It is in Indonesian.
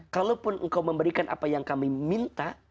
kalaupun engkau memberikan apa yang kami minta